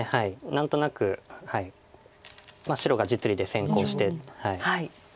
何となく白が実利で先行して。